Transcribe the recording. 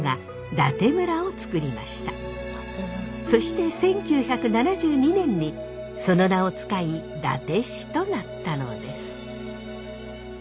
そして１９７２年にその名を使い伊達市となったのです。